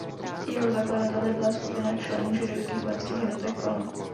Jeho zakladateli byla skupina členů židovských vojenských jednotek Palmach.